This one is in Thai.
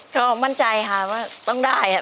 ก็มั่นใจค่ะว่าต้องได้